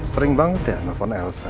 sering banget ya nelfon elsa